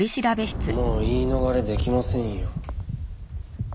もう言い逃れできませんよ。